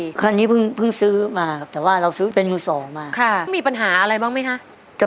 รถคันนี้เพิ่งซื้อมาครับแต่ว่าเราซื้อเป็นมือสอมา